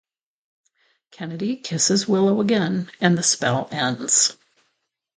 Kennedy kisses Willow again and the spell ends.